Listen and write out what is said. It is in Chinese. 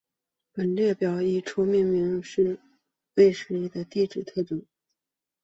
本表列出已命名的土卫一的地质特征。